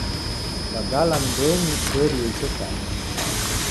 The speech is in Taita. Kagala nyumbenyi kuerie icho chaghu